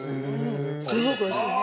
すごくおいしいね。